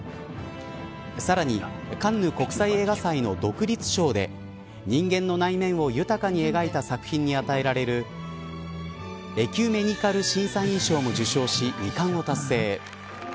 さらに、カンヌ国際映画祭の独立賞で人間の内面を豊かに描いた作品に与えられるエキュメニカル審査員賞も受賞し２冠を達成。